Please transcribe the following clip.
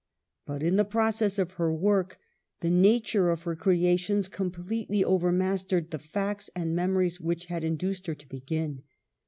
But in the process of her work, the nature of her creations completely overmastered the facts and memories which had induced her to begin.